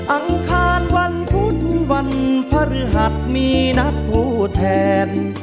อังคารวันพุธวันพฤหัสมีนัดผู้แทน